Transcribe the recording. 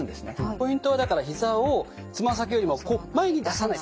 ポイントはだからひざをつま先よりも前に出さない。